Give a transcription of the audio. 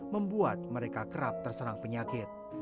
membuat mereka kerap terserang penyakit